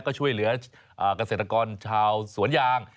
ก็ช่วยเหลือเกษตรกรชาวสวนยาง